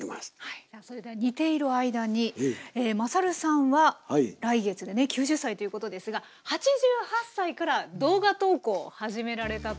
それでは煮ている間にまさるさんは来月でね９０歳ということですが８８歳から動画投稿を始められたということで。